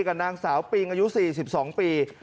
กับนางสาวปิงอายุ๔๒ปี